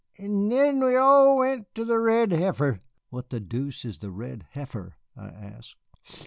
'N'then we all went to the Red Heifer " "What the deuce is the Red Heifer?" I asked.